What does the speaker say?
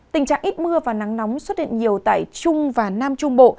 tình trạng ít mưa và nắng nóng xuất hiện nhiều tại trung và nam trung bộ